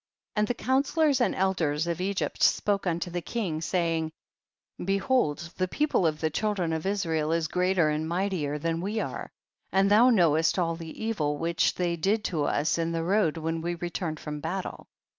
2. And the counsellors and elders of Egypt spoke unto the king, say ing, "[ 3. Behold the people of the chil dren of Israel is greater and mightier than we are, and thou knowest all the evil which they did to us in the road when we returned from battle.